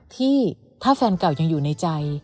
ที่ถ้าแฟนเก่ายังอยู่ในใจ